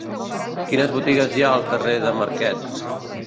Quines botigues hi ha al carrer de Marquet?